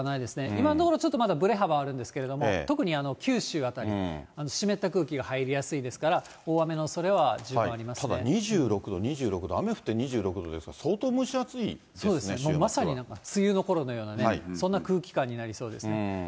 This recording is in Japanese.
今のところ、ぶれ幅があるんですけれども、特に九州辺り、湿った空気が入りやすいですから、ただ２６度、２６度、雨降って２６度ですから、まさに梅雨のころのような、そんな空気感になりそうですね。